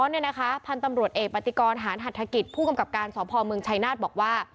พันธุ์ตำรวจเอกปฏิกรหารหัฐกิจผู้กำกับการสพเมืองชัยนาฏบอกว่า